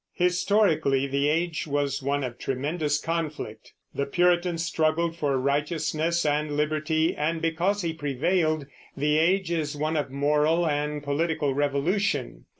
Historically the age was one of tremendous conflict. The Puritan struggled for righteousness and liberty, and because he prevailed, the age is one of moral and political revolution.